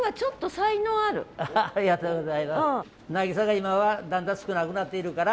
なぎさが今はだんだん少なくなっているから。